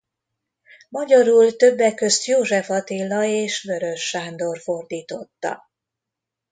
Magyarul többek közt József Attila és Weöres Sándor fordította.